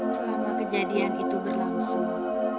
selama kejadian itu berlangsung